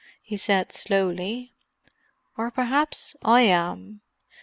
he said slowly. "Or perhaps I am.